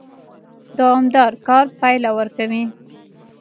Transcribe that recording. دوامدار کار پایله ورکوي